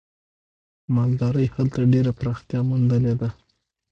مالدارۍ هلته ډېره پراختیا موندلې ده.